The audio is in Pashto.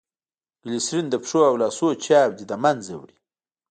ګلیسرین دپښو او لاسو چاودي له منځه وړي.